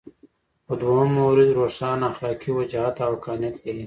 خو دویم مورد روښانه اخلاقي وجاهت او حقانیت لري.